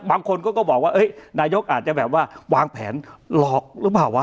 บางคนก็บอกว่านายกอาจจะแบบว่าวางแผนหลอกหรือเปล่าวะ